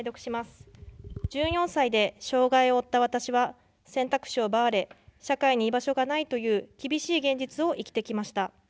１４歳で障害を負った私は、選択肢を奪われ、社会に居場所がないという厳しい現実を生きてきました。